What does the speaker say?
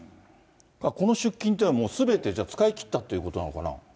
この出金というのは、すべてじゃあ、使い切ったっていうことなのかな。